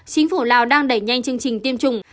chính phủ lào đang đẩy nhanh chương trình tiêm chủng